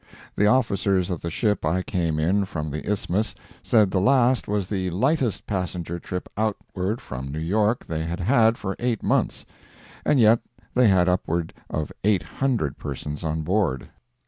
The officers of the ship I came in from the Isthmus said the last was the lightest passenger trip out ward from New York they had had for eight months, and yet they had up ward of eight hundred persons on board.